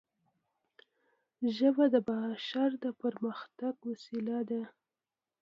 ژبه د بشر د پرمختګ وسیله ده